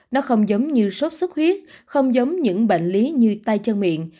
nó không giống như sốt xuất huyết không giống những bệnh lý như tay chân miệng